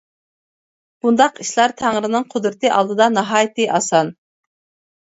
بۇنداق ئىشلار تەڭرىنىڭ قۇدرىتى ئالدىدا ناھايىتى ئاسان.